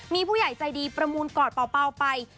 มีผู้ใหญ่ใจดีประมูลกอดเป่าไป